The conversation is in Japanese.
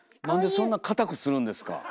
なんでそんな堅くするんですか。